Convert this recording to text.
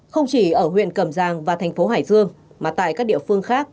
không chỉ ở huyện cẩm giang và thành phố hải dương mà tại các địa phương khác